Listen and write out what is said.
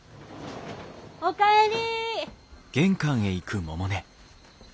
おかえり。